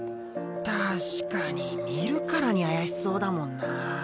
確かに見るからに怪しそうだもんな。